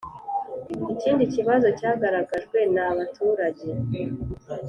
ikindi kibazo cyagaragajwe n’ abaturage